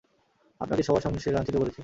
আপনাকে সবার সামনে সে লাঞ্ছিত করেছে।